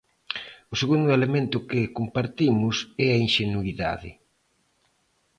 O segundo elemento que compartimos é a inxenuidade.